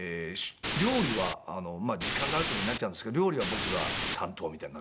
料理はまあ時間がある時になっちゃうんですけど料理は僕が担当みたいになってますね。